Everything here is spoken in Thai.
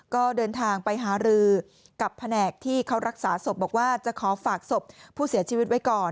ก็เดินทางไปหารือกับแผนกที่เขารักษาศพบอกว่าจะขอฝากศพผู้เสียชีวิตไว้ก่อน